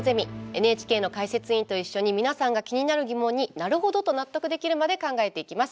ＮＨＫの解説委員と一緒に皆さんが気になる疑問になるほど！と納得できるまで考えていきます。